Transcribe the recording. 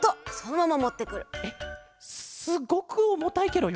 えっすっごくおもたいケロよ。